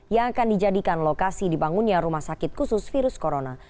yang akan dijadikan lokasi dibangunnya rumah sakit khusus virus corona